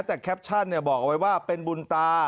แต่แคปชั่นบอกเอาไว้ว่าเป็นบุญตา